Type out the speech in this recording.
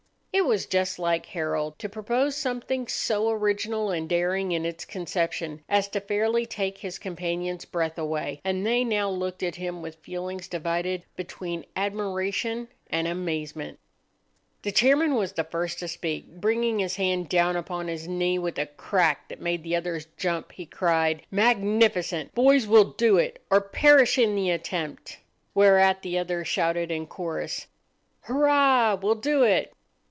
It was just like Harold to propose something so original and daring in its conception as to fairly take his companions' breath away, and they now looked at him with feelings divided between admiration and amazement. The chairman was the first to speak. Bringing his hand down upon his knee with a crack that made the others jump, he cried,— "Magnificent! Boys, we'll do it, or perish in the attempt." Whereat the others shouted in chorus,— "Hoorah! We'll do it!"